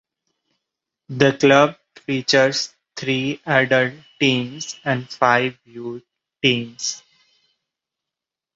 The club features three adult teams and five youth teams.